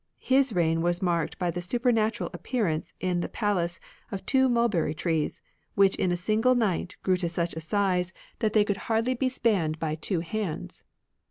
His reign was marked displeasure. i .i . i by the supernatural appearance in the palace of two mulberry trees, which in a single night grew to such a size that they lO THE ANCIENT FAITH could hardly be spanned by two hands.